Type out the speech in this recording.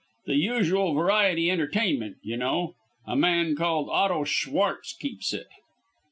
The usual variety entertainment, you know. A man called Otto Schwartz keeps it."